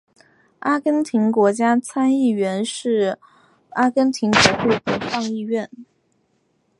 阿根廷国家参议院是阿根廷国会的上议院。